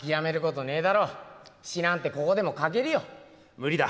無理だ。